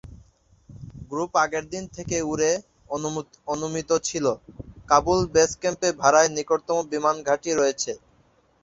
Group আগের দিন থেকে উড়ে অনুমিত ছিল কাবুল বেস ক্যাম্পে ভাড়ায় নিকটতম বিমানঘাঁটি রয়েছে।